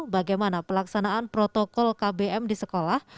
bagaimana pelaksanaan protokol kbm di sekolah